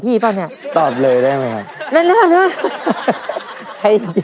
มีบ้างครับครับ